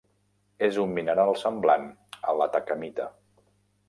És un mineral semblant a l'atacamita.